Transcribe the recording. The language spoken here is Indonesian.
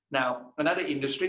nah di industri lain